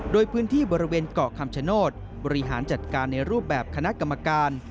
โดยพื้นที่บริเวณเกาะคำชโนธบริหารจัดการในรูปแบบคณะกรรมการ